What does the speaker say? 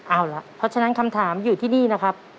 เอาล่ะเพราะฉะนั้นคำถามอยู่ที่นี่นะครับ